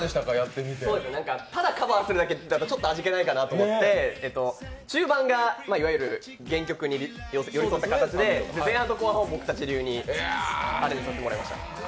ただカバーするだけだと味気ないかなと思って中盤がいわゆる原曲に寄せた形で前半と後半を僕たち流にアレンジさせてもらいました。